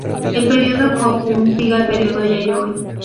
El período Kofun sigue al período Yayoi.